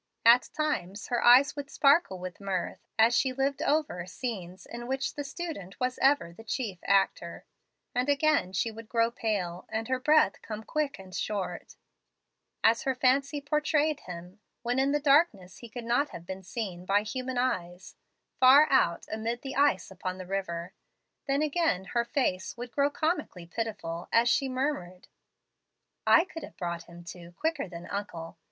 At times her eyes would sparkle with mirth as she lived over scenes in which the student was ever the chief actor; and again she would grow pale, and her breath come quick and short, as her fancy portrayed him when in the darkness he could not have been seen by human eyes far out amid the ice upon the river. Then again her face would grow comically pitiful, as she murmured: "I could have brought him to quicker than uncle.